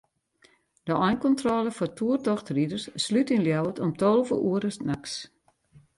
De einkontrôle foar toertochtriders slút yn Ljouwert om tolve oere de nachts.